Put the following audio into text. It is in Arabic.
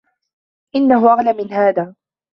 إنه أغلى من هذا.